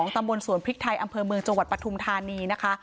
ตำบลสวนพริกไทยอำเภอเมืองจังหวัดปฐุมธานีนะคะ